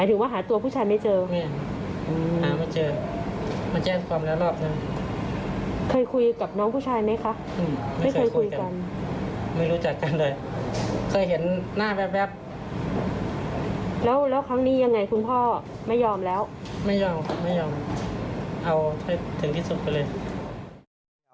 เอาให้ถึงที่สุดไปเลย